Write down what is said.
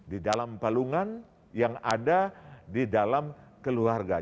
di dalam palungan yang ada di dalam keluarga